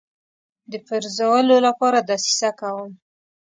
د پرزولو لپاره دسیسه کوم.